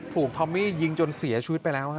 ถูกทอมมี่ยิงจนเสียชีวิตไปแล้วครับ